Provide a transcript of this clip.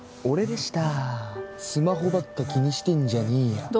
俺でしたスマホばっか気にしてんじゃねえよ